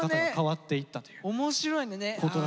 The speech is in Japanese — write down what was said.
面白いね。